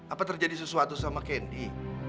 apa terjadi sesuatu sama kendi